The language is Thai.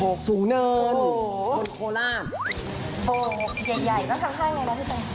โหกสูงเนินโคลานโหกใหญ่นั่งข้างเลยนะที่นี่